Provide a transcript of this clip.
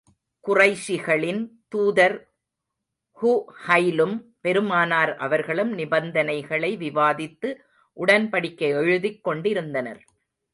குறைஷிகளின் தூதர் ஸூஹைலும், பெருமானார் அவர்களும் நிபந்தனைகளை விவாதித்து, உடன்படிக்கை எழுதிக் கொண்டிருந்தனர்.